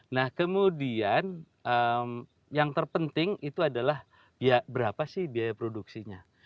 nah kemudian yang terpenting itu adalah ya berapa sih biaya produksinya